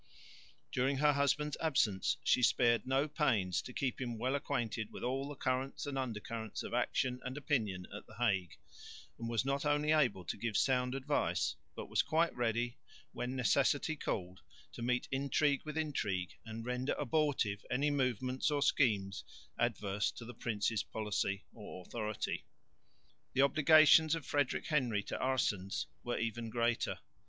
During her husband's absence she spared no pains to keep him well acquainted with all the currents and under currents of action and opinion at the Hague, and was not only able to give sound advice, but was quite ready, when necessity called, to meet intrigue with intrigue and render abortive any movements or schemes adverse to the prince's policy or authority. The obligations of Frederick Henry to Aerssens were even greater.